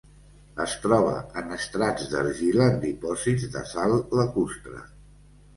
Es troba en estrats d'argila en dipòsits de sal lacustre.